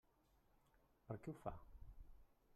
Per què ho fa?